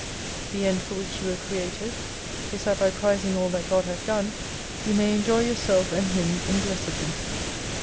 The end for which you were created, is that by prizing all that God hath done, you may enjoy yourself and Him in Blessedness.